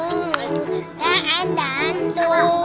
gak ada hantu